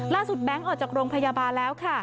แบงค์ออกจากโรงพยาบาลแล้วค่ะ